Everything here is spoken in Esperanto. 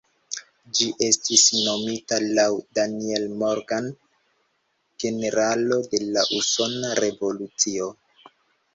Ĝi estis nomita laŭ Daniel Morgan, generalo de la Usona Revolucio.